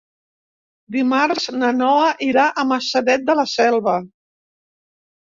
Dimarts na Noa irà a Maçanet de la Selva.